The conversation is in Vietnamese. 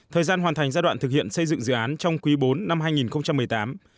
thời gian hoàn thành giai đoạn thực hiện xây dựng dự án trong quý bốn năm hai nghìn một mươi tám